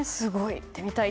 行ってみたい。